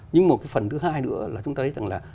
nhưng một cái phần thứ hai nữa là chúng ta thấy rằng là